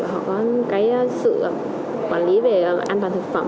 họ có cái sự quản lý về an toàn thực phẩm